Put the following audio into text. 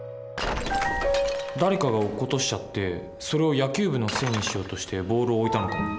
誰かが落っことしちゃってそれを野球部のせいにしようとしてボールを置いたのかも。